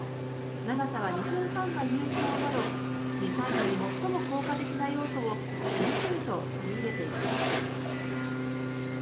長さは２分半が有効など２歳児に最も効果的な要素を次々と取り入れていきました